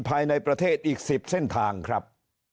ภายในประเทศอีก๑๐เส้นทางครับ